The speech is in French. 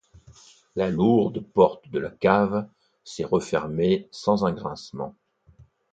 La lourde porte de la cave s'est refermée sans un grincement.